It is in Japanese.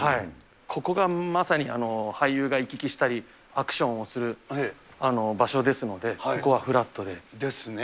ここがまさに俳優が行き来したりアクションをする場所ですので、ここはフラットで。ですね。